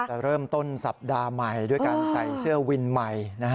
จะเริ่มต้นสัปดาห์ใหม่ด้วยการใส่เสื้อวินใหม่